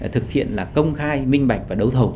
thực hiện là công khai minh bạch và đấu thầu